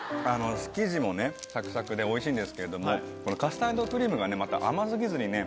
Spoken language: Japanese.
生地もねサクサクでおいしいんですけどもカスタードクリームがまた甘過ぎずにね。